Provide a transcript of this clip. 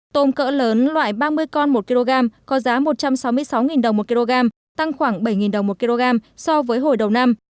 tôm cỡ lớn loại ba mươi con một kg có giá một trăm sáu mươi sáu đồng một kg tăng khoảng bảy đồng một kg so với hồi đầu năm